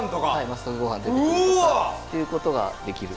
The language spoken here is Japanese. まつたけごはんが出てくるとかっていうことができる。